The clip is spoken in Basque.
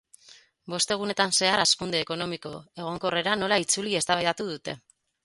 Bost egunetan zehar hazkunde ekonomiko egonkorrera nola itzuli eztabaidatu dute.